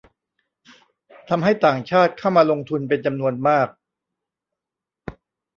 ทำให้ต่างชาติเข้ามาลงทุนเป็นจำนวนมาก